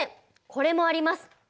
これもあります。